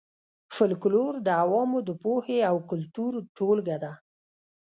فولکلور د عوامو د پوهې او کلتور ټولګه ده